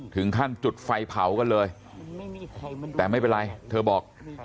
ถึงขั้นจุดไฟเผากันเลยแต่ไม่เป็นไรเธอบอก